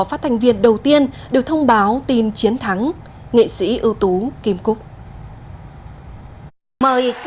phát thành viên đầu tiên được thông báo tin chiến thắng nghệ sĩ ưu tú kim cúc